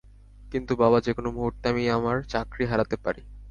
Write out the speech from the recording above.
কিন্তু, বাবা যেকোনো মুহূর্তে আমি আমার চাকরি হারাতে পারি।